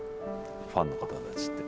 ファンの方たちって。